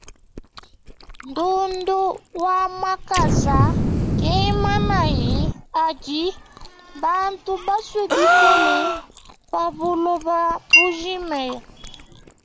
Ndundu wa makasa ke manaya adi bantu basue bikole pa buloba bujima.